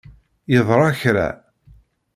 Yeḍra kra.